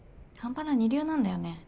半端な二流なんだよね。